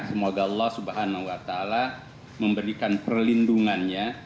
semoga allah swt memberikan perlindungannya